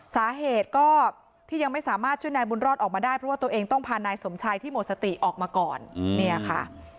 สาเหตุก็ที่ยังไม่สามารถช่วยนายบุญรอดออกมาได้เพราะว่าตัวเองต้องพานายสมชัยที่หมดสติออกมาก่อนเนี่ยค่ะ